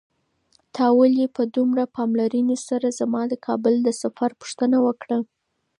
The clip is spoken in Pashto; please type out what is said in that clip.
تا ولې په دومره پاملرنې سره زما د کابل د سفر پوښتنه وکړه؟